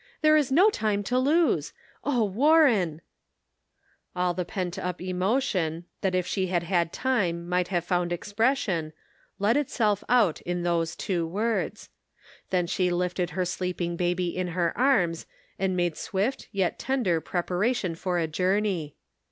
There is no time to lose ! Oh, Warren !" All the pent up emotion, that if she had had time might have found expression, let itself out in those two words; then she lifted her sleeping baby in her arms, and made swift, yet tender, preparation for a journey.